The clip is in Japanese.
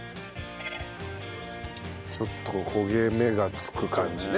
ちょっと焦げ目がつく感じね。